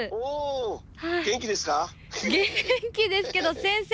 元気ですけど先生！